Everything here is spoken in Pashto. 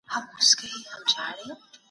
د ښار بازارونه تړل شول.